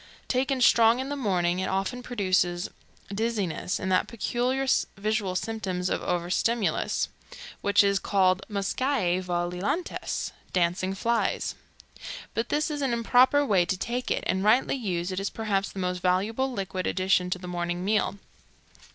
Taken strong in the morning, it often produces dizziness and that peculiar visual symptom of overstimulus which is called muscae volilantes dancing flies. But this is an improper way to take it, and rightly used it is perhaps the most valuable liquid addition to the morning meal.